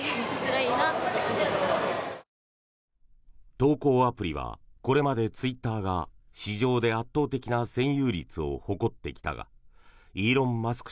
投稿アプリはこれまでツイッターが市場で圧倒的な占有率を誇ってきたがイーロン・マスク